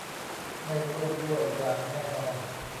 ไม่ร่วมด้วยอย่างแน่นอน